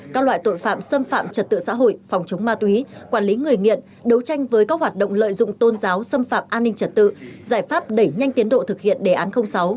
các loại tội phạm xâm phạm trật tự xã hội phòng chống ma túy quản lý người nghiện đấu tranh với các hoạt động lợi dụng tôn giáo xâm phạm an ninh trật tự giải pháp đẩy nhanh tiến độ thực hiện đề án sáu